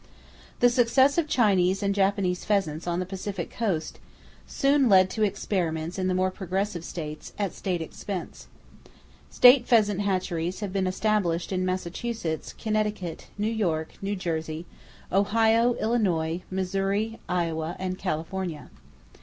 The success of Chinese and Japanese pheasants on the Pacific Coast soon led to experiments in the more progressive states, at state expense. State pheasant hatcheries have been established in Massachusetts, Connecticut, New York, New Jersey, Ohio, Illinois, Missouri, Iowa and California.